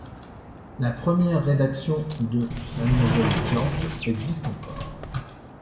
La première rédaction de Mlle George existe encore.